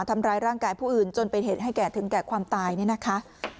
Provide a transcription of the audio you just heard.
ทำร้ายร่างกายผู้อื่นจนเป็นเหตุให้แก่ถึงแก่ความตายเนี่ยนะคะ